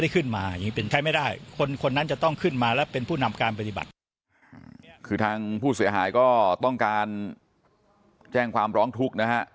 คือทางผู้เสียหายก็ต้องการแจ้งความร้องทุกข์นะฮะ